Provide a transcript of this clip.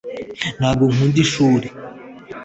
ntabwo nkunda ishuri